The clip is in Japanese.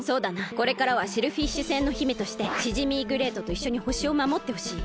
これからはシェルフィッシュ星の姫としてシジミーグレイトといっしょにほしをまもってほしい。